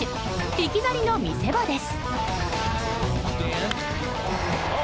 いきなりの見せ場です。